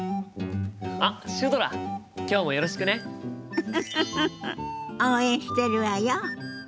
ウフフフフ応援してるわよ。